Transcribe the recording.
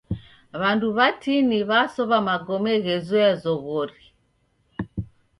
W'andu w'atini w'asowa magome ghezoya zoghori.